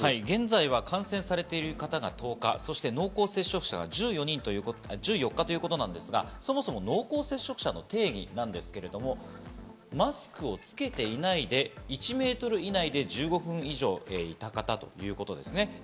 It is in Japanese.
現在は感染されてる方が１０日、濃厚接触者が１４日ということですが、そもそも濃厚接触者の定義ですけどマスクをつけていないで、１ｍ以内で１５分以上いた方ということですね。